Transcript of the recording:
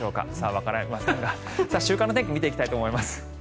わかりませんが週間の天気を見ていきたいと思います。